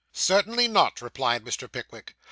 'Certainly not,' replied Mr. Pickwick.